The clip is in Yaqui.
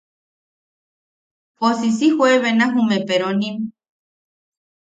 Poosi, si juebena jume peronim.